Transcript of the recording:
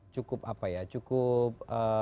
cukup apa ya cukup